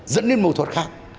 dẫn đến mâu thuẫn khác